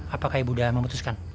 apakah ibu udah memutuskan